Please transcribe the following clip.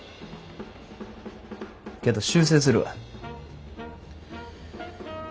けど修正するわ。